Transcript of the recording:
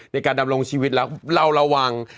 ในการดำรงชีวิตแล้วเราระวัง